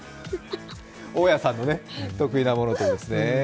大家さんの得意なものとですね。